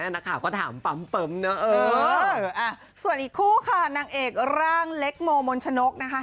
นางเอกร้างเล็กโมมร์มนชนกนะคะ